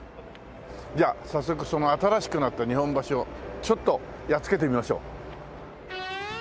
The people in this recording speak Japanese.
じゃあ早速その新しくなった日本橋をちょっとやっつけてみましょう。